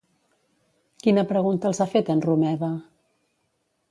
Quina pregunta els ha fet en Romeva?